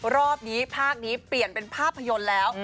รอบนี้ภาคนี้เปลี่ยนเป็นภาพยนตร์แล้ว